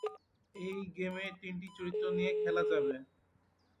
এই গেমে তিনটি চরিত্র নিয়ে খেলা যাবে।